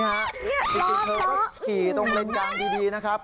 นี่ล้อมเหรอแบบไหนที่เธอขี่ตรงเล่นกลางที่ดีนะครับ